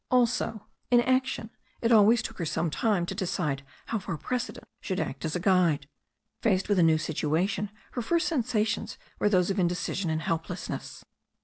Also, in action it always took her some time to decide how far precedent should act as a guide. Faced with a new situation her first sensations were those of indecision and helplessness.